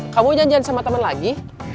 kamu janjian sama teman lagi